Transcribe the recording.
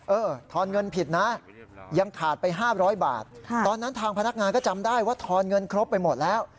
ทอนเงินผิดนะยังขาดไป๕๐๐บาทตอนนั้นทางพนักงานก็จำได้ว่าทอนเงินครบไปหมดแล้ว